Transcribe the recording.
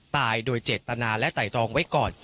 ตายโดยเจตนาและไตรรองไว้ก่อน